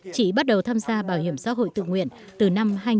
chị bắt đầu tham gia bảo hiểm xã hội tự nguyện từ năm hai nghìn một mươi